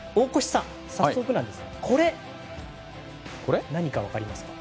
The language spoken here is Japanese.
早速なんですがこれ、何か分かりますか？